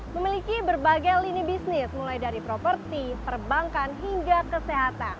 memiliki berbagai lini bisnis mulai dari properti perbankan hingga kesehatan